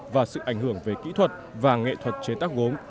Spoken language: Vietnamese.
và sự ảnh hưởng về kỹ thuật và nghệ thuật chế tác gốm